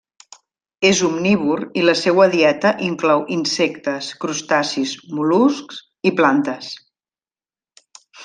És omnívor i la seua dieta inclou insectes, crustacis, mol·luscs i plantes.